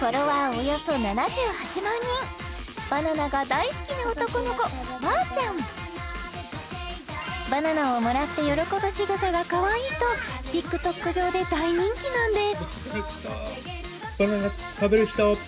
およそ７８万人バナナが大好きな男の子わーちゃんバナナをもらって喜ぶしぐさがかわいいとＴｉｋＴｏｋ上で大人気なんです